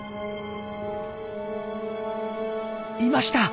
いました！